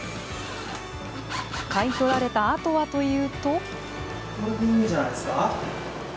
買い取られたあとはというと。